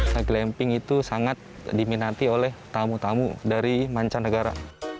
saya glamping itu sangat diminati oleh tamu tamu dari mancanegara